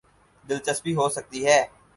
دلچسپی ہو سکتی ہے۔